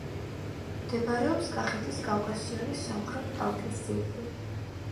მდებარეობს კახეთის კავკასიონის სამხრეთ კალთის ძირში.